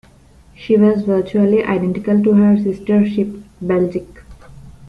She was virtually identical to her sister ship "Belgic".